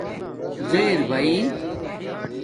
زیر باݵ